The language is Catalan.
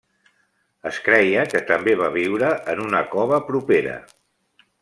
Es creia que també va viure en una cova propera.